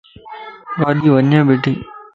ڳاڏي وڃي بيٺي